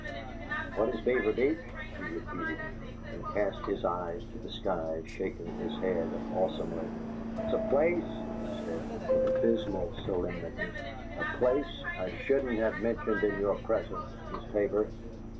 "What is Beaver Beach?" he repeated, and cast his eyes to the sky, shaking his head awesomely. "It's a Place," he said, with abysmal solemnity, "a Place I shouldn't have mentioned in your presence, Miss Tabor."